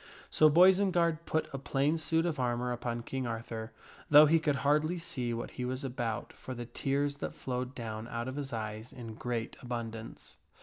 So Boisenard put a plain suit of armor upon King Arthur, though he could hardly see what he was about for the tears that flowed down out of his eyes in great abundance.